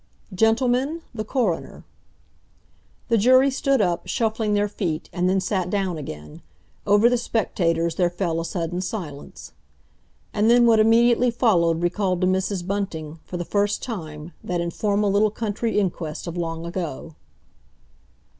"Gentlemen, the Coroner." The jury stood up, shuffling their feet, and then sat down again; over the spectators there fell a sudden silence. And then what immediately followed recalled to Mrs. Bunting, for the first time, that informal little country inquest of long ago.